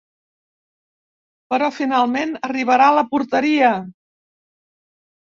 Però finalment arribarà a la porteria.